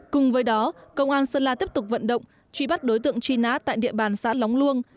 cùng với đó công an sơn la tiếp tục vận động truy bắt đối tượng truy nát tại địa bàn xã lóng luông